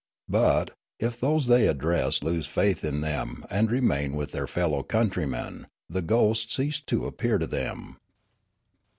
But, if those they address lose faith in them and remain with their fellow countrymen, the ghosts cease to appear to them.